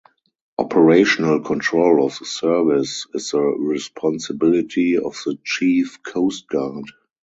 Operational control of the service is the responsibility of the Chief Coastguard.